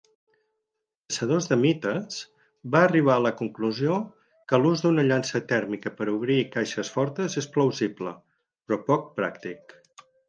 "Caçadors de Mites" va arribar a la conclusió que l'ús d'una llança tèrmica per obrir caixes fortes és plausible, però poc pràctic.